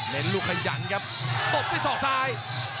เน้นลูกขยันครับตบด้วยสองซ้าย